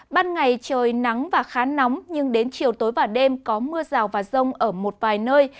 ban ngày trời nắng và khá nóng nhưng đến chiều tối và đêm có mưa rào và rông ở một vài nơi